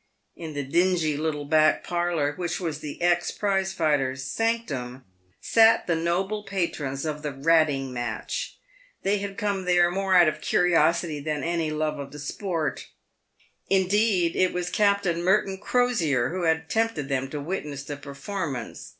In the dingy little back parlour, which was the ex prize fighter's sanctum, sat the noble patrons of the ratting match. They hatl come there more out of curiosity than any love of the sport ; indeed, it was Captain Merton Crosier who had tempted them to witness the per formance.